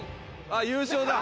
あっ優勝だ！